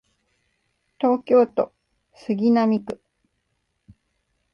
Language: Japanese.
東京都杉並区